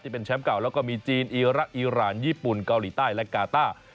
เป็นแชมป์เก่าแล้วก็มีจีนอีระอีรานญี่ปุ่นเกาหลีใต้และกาต้า